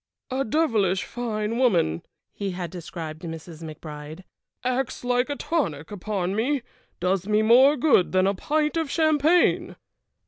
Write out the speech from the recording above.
"A devilish fine woman," he had described Mrs. McBride. "Acts like a tonic upon me; does me more good than a pint of champagne!"